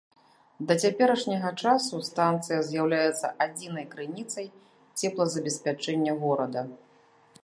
Да цяперашняга часу станцыя з'яўляецца адзінай крыніцай цеплазабеспячэння горада.